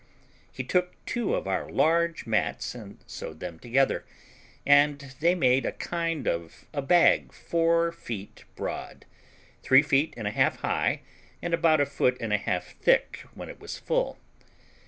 He took two of our large mats and sewed them together, and they made a kind of a bag four feet broad, three feet and a half high, and about a foot and a half thick when it was full.